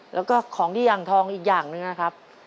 แล้วก็ของที่อ่างทองอีกอย่างหนึ่งนะครับ